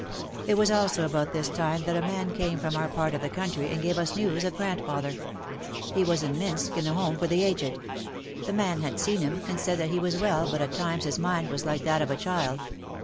It was also about this time that a man came from our part of the country and gave us news of grandfather. He was in Mintsk in a Home for the Aged. The man had seen him, and said that he was well but at times his mind was like that of a child.